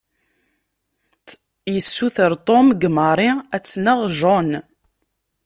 Yessuter Tom deg Mary ad tneɣ john.